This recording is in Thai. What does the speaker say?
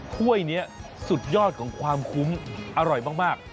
ถ้วยนี้สุดยอดของความคุ้มอร่อยมาก